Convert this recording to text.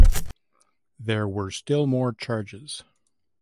There were still more charges.